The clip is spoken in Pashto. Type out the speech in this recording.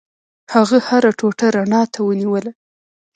هغه هره ټوټه رڼا ته ونیوله.